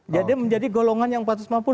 jadi menjadi golongan yang rp empat ratus lima puluh